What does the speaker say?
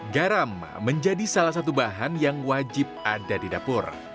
garam menjadi salah satu bahan yang wajib ada di dapur